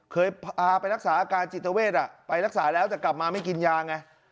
เคยพาไปรักษาอาการจิตเวทไปรักษาแล้วแต่กลับมาไม่กินยาไง